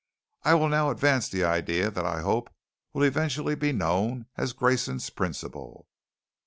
"I will now advance the idea that I hope will be eventually known as Grayson's Principle.